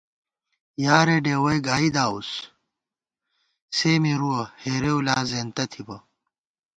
یارے ڈېوَئی گائی داؤس ، سے مِرُوَہ، ہېرېؤ لا زېنتہ تھِبہ